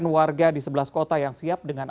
warga di sebelah kota yang siap dengan